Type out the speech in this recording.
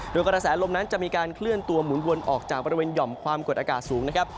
โดยกระแสลมนั้นจะมีการเคลื่อนตัวหมุนวนออกจากบริเวณหย่อมความกดอากาศสูงนะครับ